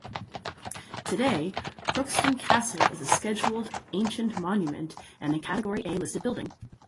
Today, Crookston Castle is a Scheduled Ancient Monument, and a Category A listed building.